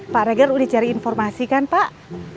pak regar udah cari informasi kan pak